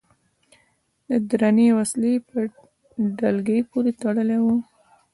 د درنې وسلې په ډلګۍ پورې تړلي و.